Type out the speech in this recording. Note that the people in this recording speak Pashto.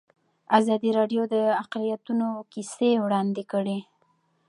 ازادي راډیو د اقلیتونه کیسې وړاندې کړي.